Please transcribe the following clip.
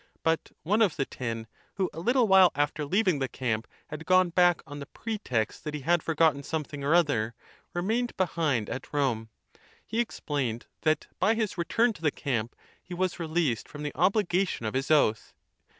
But one of the ten, who, a little while after leaving the camp, had gone back on the pretext that he had forgotten something or other, remained behind at Rome ; he explained that by his return to the camp he was released from the obligation of his oath.